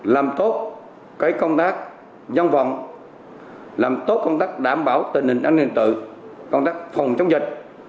làm tốt công tác nhân phòng làm tốt công tác đảm bảo tình hình an ninh trật tự công tác phòng chống dịch